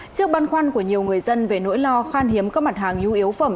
trước băn khoăn của nhiều người dân về nỗi lo khan hiếm các mặt hàng nhu yếu phẩm